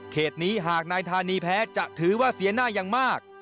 นี้หากนายธานีแพ้จะถือว่าเสียหน้าอย่างมาก